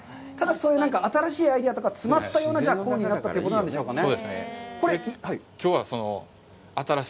そういう新しいアイデアとか詰まったコーンになったということなんでしょうかね。